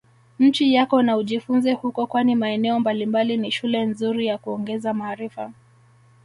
nchi yako na ujifunze huko kwani maeneo mbalimbali ni shule nzuri ya kuongeza maarifa